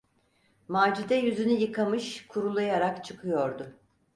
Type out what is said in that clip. Macide yüzünü yıkamış, kurulayarak çıkıyordu.